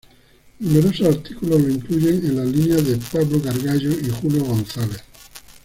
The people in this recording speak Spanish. Numerosos artículos lo incluyen en la línea de Pablo Gargallo y Julio Gonzalez.